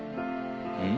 うん？